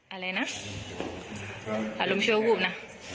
อะไรนะอารมณ์ชั่ววูบนะ